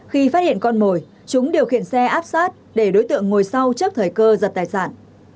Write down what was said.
khi phát hiện con mồi chúng điều khiển xe áp sát để đối tượng ngồi sau trước thời cơ giật tài sản